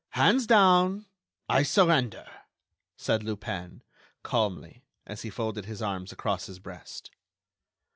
"Hands down! I surrender!" said Lupin, calmly; and he folded his arms across his breast.